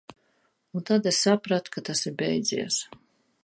Un tad es sapratu, ka tas ir beidzies.